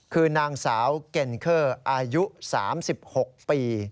คือนางสาวเก็นเคอร์อายุ๓๖ปี